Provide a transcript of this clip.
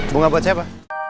bunga buat siapa